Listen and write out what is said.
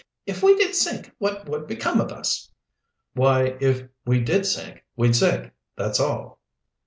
if we did sink what would become of us?" "Why, if we did sink we'd sink, that's all."